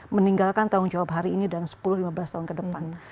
meninggalkan tanggung jawab hari ini dan sepuluh lima belas tahun ke depan